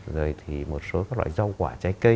rồi thì một số các loại rau quả trái cây